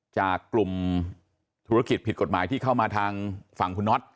จากกลุ่มธุรกิจผิดกฎหมายที่เข้ามาทางฝั่งคุณน็อต